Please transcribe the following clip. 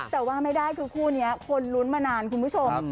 แต่ว่าไม่ได้คือคู่นี้คนลุ้นมานานคุณผู้ชม